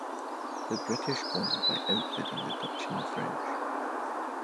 The British won by out bidding the Dutch and the French.